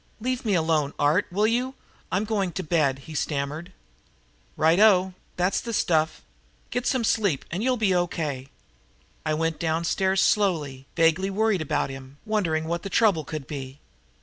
"Leave me alone, Art, will you? I'm going to bed," he stammered. "Right o, that's the stuff. Get a good sleep and you'll be O. K." I went downstairs slowly, vaguely worried about him, wondering what the trouble could be.